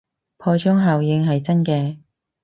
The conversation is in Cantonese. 破窗效應係真嘅